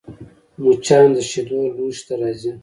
مچان د شیدو لوښي ته راځي